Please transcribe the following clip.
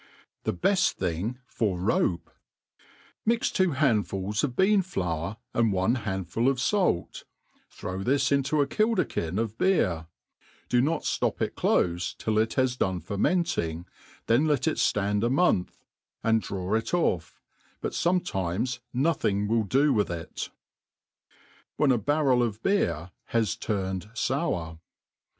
f%i beji thing f or Rbpel ^ MIX two handfuls fif beaa flour, and one handful of fait, throw this into a kilderkin of b^r, do hot ftop it clofe till it has dpn^ fermenting, then let it ftand a «ioiith, and diaw it off*} but fo«)€|iBiea nothing will do with it. , ffhen a Barrel 9fBeer has iurmd Solar.